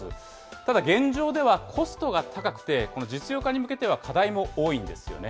ただ現状ではコストが高くて、実用化に向けては課題も多いんですよね。